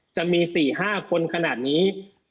จะมีสี่ห้าคนขนาดนี้